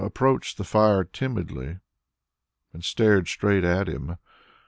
"] Anjuta approached the fire timidly and stared straight at him.